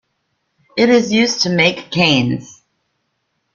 It is used to make canes.